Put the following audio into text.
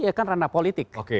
ya kan ranah politik